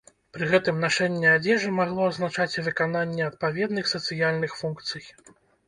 Пры гэтым нашэнне адзежы магло азначаць і выкананне адпаведных сацыяльных функцый.